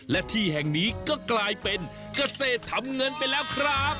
และที่แห่งนี้ก็กลายเป็นเกษตรทำเงินไปแล้วครับ